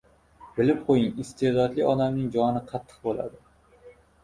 Bilib qo‘ying, iste’dodli odamning joni qattiq bo‘ladi.